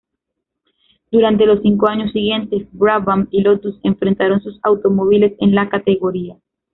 Durante los cinco años siguientes, Brabham y Lotus enfrentaron sus automóviles en la categoría.